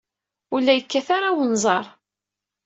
Ur la yekkat ara wenẓar.